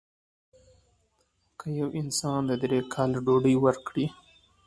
که یو انسان ته درې کاله ډوډۍ ورکړه.